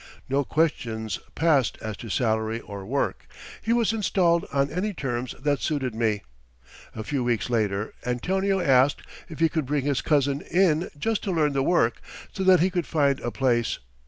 No questions passed as to salary or work. He was installed on any terms that suited me. A few weeks later, Antonio asked if he could bring his cousin in just to learn the work, so that he could find a place.